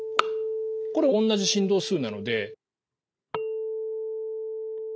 これ同じ振動数なので。